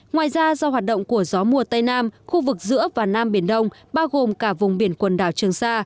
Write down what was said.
ngoài ra do hoạt động của gió mùa tây nam khu vực giữa và nam biển đông bao gồm cả vùng biển quần đảo trường sa